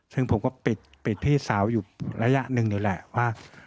ซึ่งผมก็ปิดพี่สาวอยู่ระยะหนึ่งนี่แหละว่า